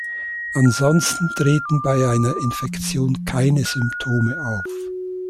Ansonsten treten bei einer Infektion keine Symptome auf.